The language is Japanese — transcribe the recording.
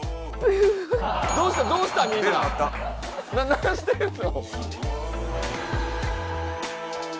何してんの？